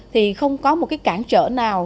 thì không có một cái cản trở nào